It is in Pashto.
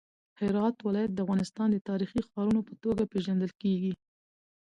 هرات ولایت د افغانستان د تاریخي ښارونو په توګه پیژندل کیږي.